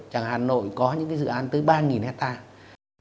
chẳng hà nội có những cái dự án tới ba hectare